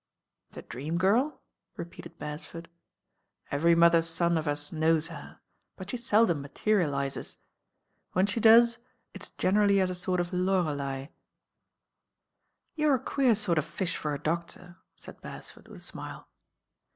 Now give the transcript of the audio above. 'The Dream Girl?" repeated Beresford. "Every mother's son of us knows her; but she seldom materialises. When she does it's generally as a sort of Lorelei." "You're a queer sort of fish for a doctor," said Beresford with a smile.